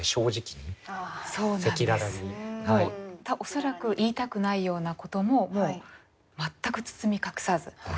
恐らく言いたくないようなことももう全く包み隠さず１００％